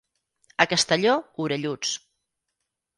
A Castelló, orelluts.